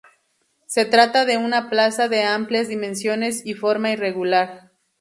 Se trata de una plaza de amplias dimensiones y forma irregular.